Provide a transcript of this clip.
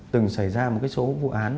từng xảy ra một số vụ án